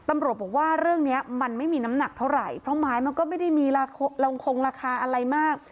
ตำรวจบอกว่าเรื่องนี้มันไม่มีน้ำหนักเท่าไหร่เพราะไม้มันก็ไม่ได้มีคงราคาอะไรมาก